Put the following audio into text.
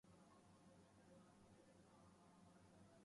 سفارت خانے پر قبضے نے اسے بری طرح متاثر کیا تھا